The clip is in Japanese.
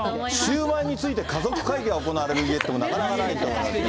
シューマイについて家族会議が行われる家っていうのも、なかなかないと思いますが。